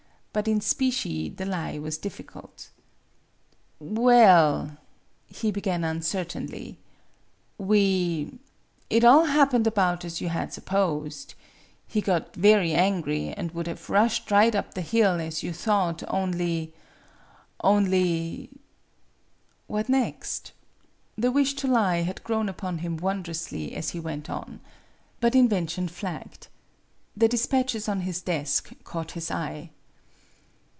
But in specie the lie was difficult. " Well," he began uncertainly, " we it all happened about as you had supposed. He got very angry, and would have rushed right up the hill, as you thought, only only " What next ? The wish to lie had grown upon him wondrously as he went on. But invention flagged. The despatches on his desk caught his eye.